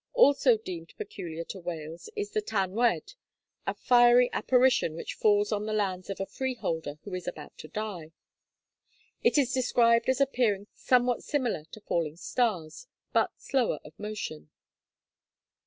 Also deemed peculiar to Wales is the Tan wedd, a fiery apparition which falls on the lands of a freeholder who is about to die. It is described as appearing somewhat similar to falling stars, but slower of motion.